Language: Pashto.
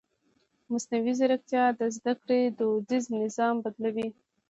مصنوعي ځیرکتیا د زده کړې دودیز نظام بدلوي.